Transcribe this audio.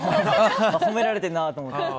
褒められてるなと思って。